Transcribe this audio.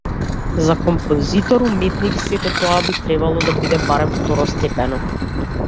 За композитор-уметник сето тоа би требало да биде барем второстепено.